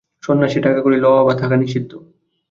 সন্ন্যাসীর টাকাকড়ি লওয়া বা থাকা নিষিদ্ধ।